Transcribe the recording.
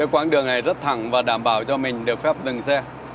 quãng đường này rất thẳng và đảm bảo cho mình được phép dừng xe